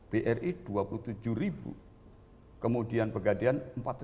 bri dua puluh tujuh kemudian pegadehan empat lebih